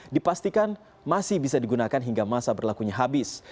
dipastikan masih bisa digunakan hingga masa berlakunya habis